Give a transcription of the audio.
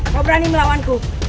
kau berani melawanku